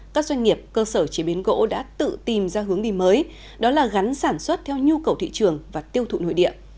các doanh nghiệp cơ sở chế biến gỗ đã tự tìm ra hướng đi mới đó là gắn sản xuất theo nhu cầu thị trường và tiêu thụ nội địa